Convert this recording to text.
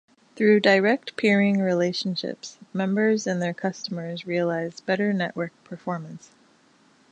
Through direct peering relationships, members and their customers realize better network performance.